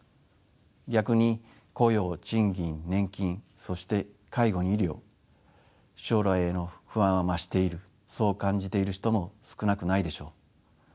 逆に雇用賃金年金そして介護に医療将来への不安は増しているそう感じている人も少なくないでしょう。